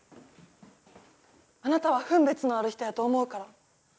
あなたは分別のある人やと思うから。